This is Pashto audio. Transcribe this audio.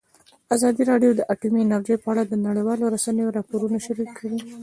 ازادي راډیو د اټومي انرژي په اړه د نړیوالو رسنیو راپورونه شریک کړي.